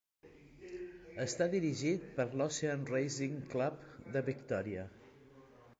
Està dirigit per l'Ocean Racing Club de Victòria.